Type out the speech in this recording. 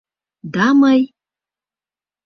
— Да мый...